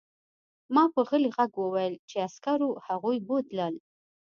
ما په غلي غږ وویل چې عسکرو هغوی بوتلل